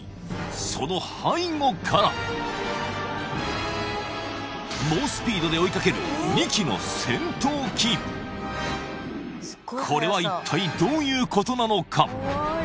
その背後から猛スピードで追いかける２機のこれは一体どういうことなのか